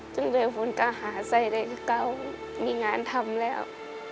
จึงเลยผมก็หาใส่ได้กับเขามีงานทำแล้ว